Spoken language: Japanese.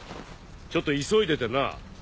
ちょっと急いでてな。